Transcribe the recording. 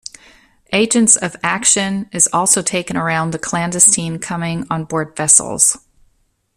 Agents of action is also taken around the clandestine coming on board vessels.